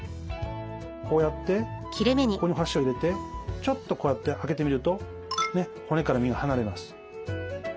こうやってここに箸を入れてちょっとこうやって開けてみると骨から身が離れます。